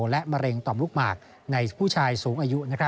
และมะเร็งต่อมลูกหมากในผู้ชายสูงอายุ